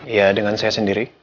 iya dengan saya sendiri